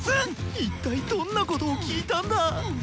一体どんなことを聞いたんだ？